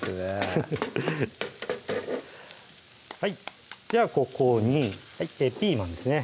フフッはいではここにピーマンですね